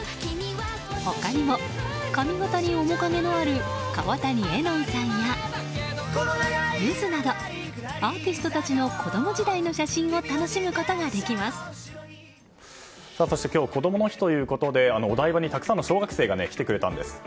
他にも、髪形に面影のある川谷絵音さんやゆずなどアーティストたちの子供時代の写真をそして今日こどもの日ということお台場にたくさんの小学生が来てくれたんです。